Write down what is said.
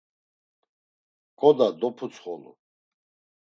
Ǩoda doputsxolu.